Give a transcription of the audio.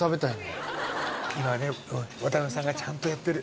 今渡辺さんがちゃんとやってる。